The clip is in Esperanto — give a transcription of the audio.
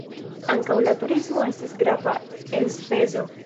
Ankaŭ la turismo estas grava enspezo.